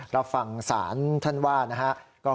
รับฟังศาลท่านว่านะครับ